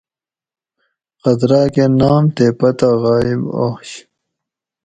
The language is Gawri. خط راکہ نام تے پتہ غایٔب آش